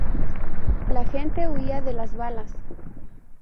La gente huía de las balas.